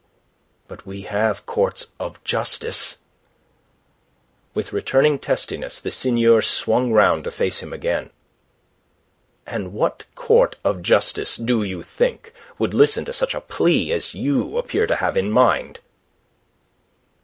"But we have courts of justice." With returning testiness the seigneur swung round to face him again. "And what court of justice, do you think, would listen to such a plea as you appear to have in mind?"